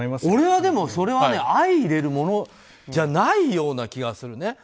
俺はでも、それは相いれるものじゃないような気がするね。